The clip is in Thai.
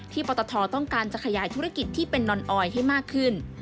ปตทต้องการจะขยายธุรกิจที่เป็นนอนออยให้มากขึ้น